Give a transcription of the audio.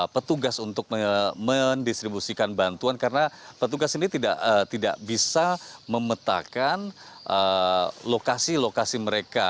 petugas untuk mendistribusikan bantuan karena petugas ini tidak bisa memetakan lokasi lokasi mereka